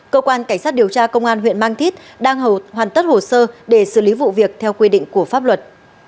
cơ quan cảnh sát điều tra công an huyện mang thít đang hoàn tất hồ sơ để xử lý vụ việc theo quy định của pháp luật